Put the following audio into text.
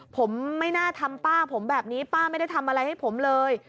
ผมไม่น่าทำป้าผมแบบนี้ป้าไม่ได้ทำอะไรให้ผมเลย